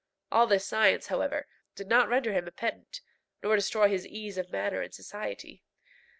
All this science, however, did not render him a pedant, nor destroy his ease of manner in society.